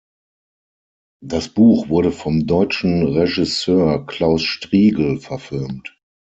Das Buch wurde vom deutschen Regisseur Claus Strigel verfilmt.